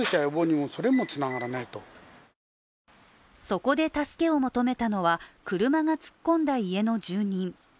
そこで助けを求めたのは車が突っ込んだ家の住人。